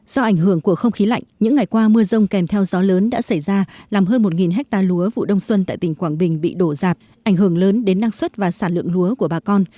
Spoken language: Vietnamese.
do ảnh hưởng của không khí lạnh những ngày qua mưa rông kèm theo gió lớn đã xảy ra làm hơn một hectare lúa vụ đông xuân tại tỉnh quảng bình bị đổ rạp ảnh hưởng lớn đến năng suất và sản lượng lúa của bà con